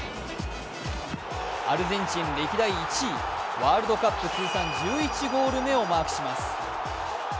アルゼンチン歴代１位、ワールドカップ通算１１ゴール目をマークします。